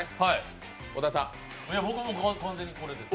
僕も完全にこれです。